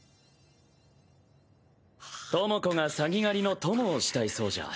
倫子が鷺狩りの供をしたいそうじゃ。